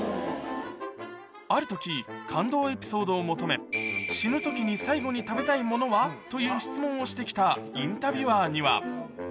あるとき、感動エピソードを求め、死ぬときに最期に食べたいものは？という質問をしてきたインタビュアーには。